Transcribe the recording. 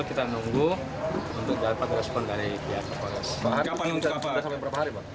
kita minta sampai berapa hari pak